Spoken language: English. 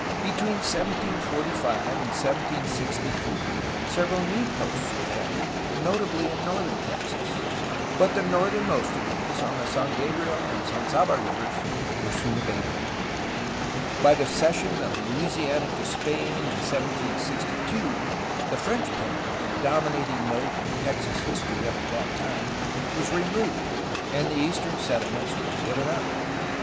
Between 1745 and 1763 several new posts were founded, notably in northern Texas, but the northern most of these, on the San Gabriel and San Saba rivers, were soon abandoned. By the cession of Louisiana to Spain in 1762 the French peril, the dominating note in Texas history up to that time, was removed, and the eastern settlements were given up.